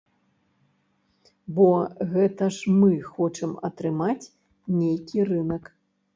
Бо гэта ж мы хочам атрымаць нейкі рынак.